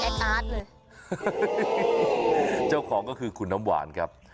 อาร์ตเลยเจ้าของก็คือคุณน้ำหวานครับ